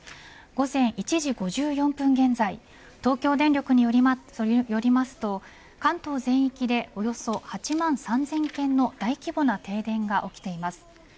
午前１時５４分現在東京電力によりますと関東全域でおよそ８万３０００軒の大規模な停電が起きています。